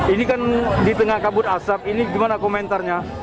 ini kan di tengah kabut asap ini gimana komentarnya